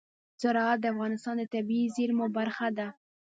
زراعت د افغانستان د طبیعي زیرمو برخه ده.